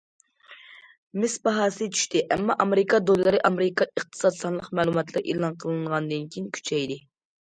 مىس باھاسى چۈشتى، ئەمما ئامېرىكا دوللىرى ئامېرىكا ئىقتىساد سانلىق مەلۇماتلىرى ئېلان قىلىنغاندىن كېيىن كۈچەيدى.